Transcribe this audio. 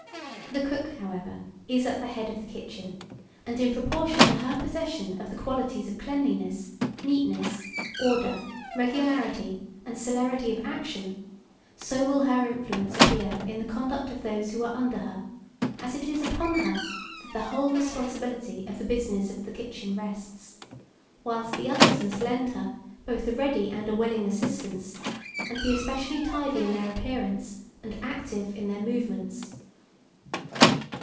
The cook, however, is at the head of the kitchen; and in proportion to her possession of the qualities of cleanliness, neatness, order, regularity, and celerity of action, so will her influence appear in the conduct of those who are under her; as it is upon her that the whole responsibility of the business of the kitchen rests, whilst the others must lend her, both a ready and a willing assistance, and be especially tidy in their appearance, and active, in their movements.